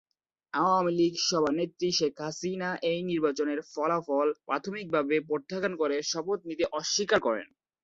আওয়ামী লীগ সভানেত্রী শেখ হাসিনা এই নির্বাচনের ফলাফল প্রাথমিক ভাবে প্রত্যাখ্যান করে শপথ নিতে অস্বীকার করে।